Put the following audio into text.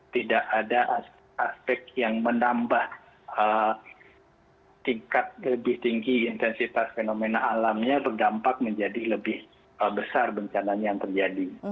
tidak ada aspek yang menambah tingkat lebih tinggi intensitas fenomena alamnya berdampak menjadi lebih besar bencananya yang terjadi